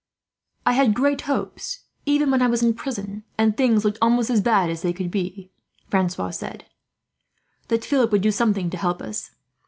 "I had great hopes, even when I was in prison, and things looked almost as bad as they could be," Francois said, "that Philip would do something to help us.